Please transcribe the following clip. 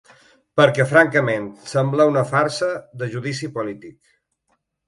Perquè, francament, sembla una farsa de judici polític.